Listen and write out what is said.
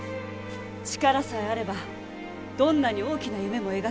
力さえあればどんなに大きな夢も描ける。